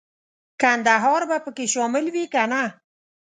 کندهار به پکې شامل وي کنه.